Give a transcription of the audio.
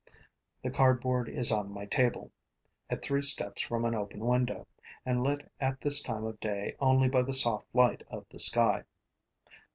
The cardboard is on my table, at three steps from an open window, and lit at this time of day only by the soft light of the sky.